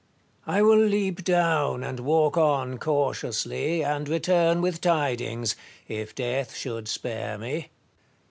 I will leap down and walk on cautiously, and return with tidings, if death should spare me.